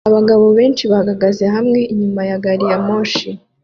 Abagabo benshi bahagaze hamwe inyuma ya gariyamoshi